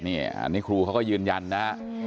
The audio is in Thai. อันนี้ครูเขาก็ยืนยันนะฮะ